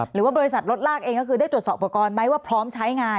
หรือว่าบริษัทรถลากเองก็คือได้ตรวจสอบอุปกรณ์ไหมว่าพร้อมใช้งาน